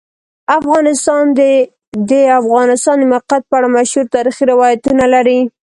افغانستان د د افغانستان د موقعیت په اړه مشهور تاریخی روایتونه لري.